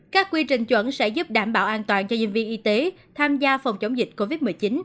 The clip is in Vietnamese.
các quy trình chuẩn sẽ giúp đảm bảo an toàn cho nhân viên y tế tham gia phòng chống dịch covid một mươi chín